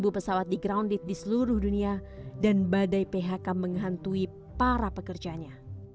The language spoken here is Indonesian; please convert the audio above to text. tujuh belas pesawat digrounded di seluruh dunia dan badai phk menghantui para pekerjanya